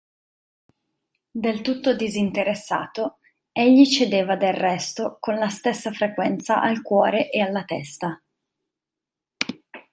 Del tutto disinteressato, egli cedeva del resto con la stessa frequenza al cuore e alla testa.